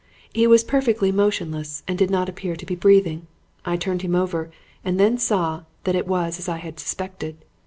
"He was perfectly motionless and did not appear to be breathing. I turned him over and then saw that it was as I had suspected.